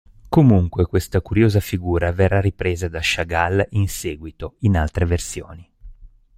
Comunque questa curiosa figura verrà ripresa da Chagall in seguito, in altre versioni.